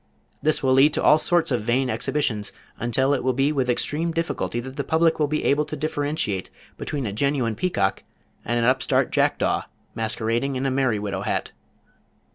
This will lead to all sorts of vain exhibitions until it will be with extreme difficulty that the public will be able to differentiate between a genuine peacock and an upstart jack daw, masquerading in a merry widow hat.